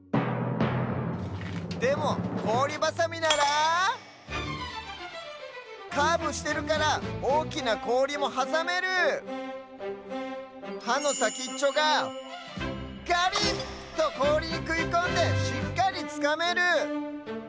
でもこおりバサミならカーブしてるからおおきなこおりもはさめる！はのさきっちょがガリッ！とこおりにくいこんでしっかりつかめる！